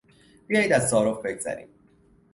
بیایید از تعارف بگذریم.